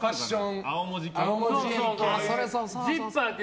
ジッパーって。